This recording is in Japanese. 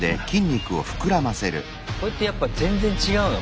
これってやっぱ全然違うの？